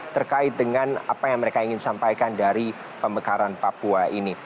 terkait dengan apa yang mereka ingin sampaikan dari pemekaran papua ini